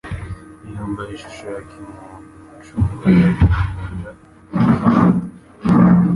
Yambaye ishusho ya kimuntu, Umucunguzi yagendagendaga mu bandi;